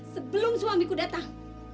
sebelum suamiku datang